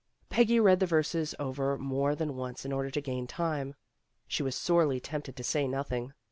Peggy read the verses over more than once in order to gain time. She was sorely tempted to say nothing.